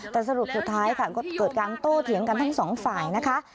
แต่สรุปสุดท้ายค่ะก็เกิดการโต้เถียงกันทั้งสองฝ่ายนะคะ